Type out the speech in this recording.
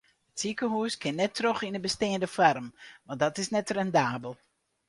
It sikehûs kin net troch yn de besteande foarm want dat is net rendabel.